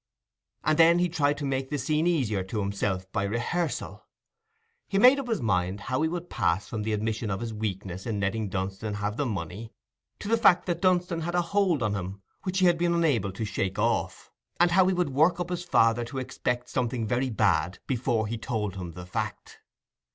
And then he tried to make the scene easier to himself by rehearsal: he made up his mind how he would pass from the admission of his weakness in letting Dunstan have the money to the fact that Dunstan had a hold on him which he had been unable to shake off, and how he would work up his father to expect something very bad before he told him the fact.